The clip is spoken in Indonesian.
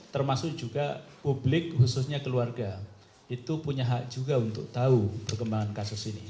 termasuk juga publik khususnya keluarga itu punya hak juga untuk tahu perkembangan kasus ini